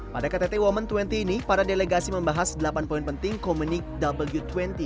pada ktt women dua puluh ini para delegasi membahas delapan poin penting komik w dua puluh